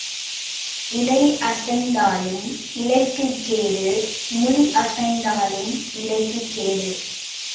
இலை அசைந்தாலும் இலைக்குக் கேடு முள் அசைந்தாலும் இலைக்குக் கேடு.